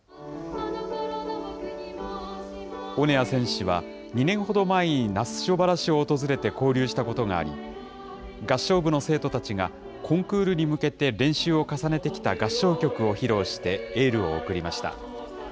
オネア選手は、２年ほど前に那須塩原市を訪れて交流したことがあり、合唱部の生徒たちが、コンクールに向けて練習を重ねてきた合唱曲を披露してエールを送りました。